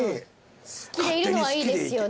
「好きでいるのはいいですよね」